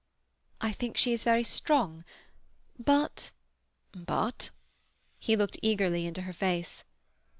"I think she is very strong. But—" "But?" He looked eagerly into her face.